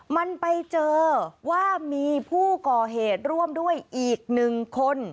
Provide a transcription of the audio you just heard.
มันไปเจอว่ามีผู้ก่อเหตุร่วมด้วยอีกหนึ่งคน